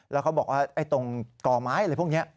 แล้วเขาบอกว่าตรงก่อไม้อะไรพวกนี้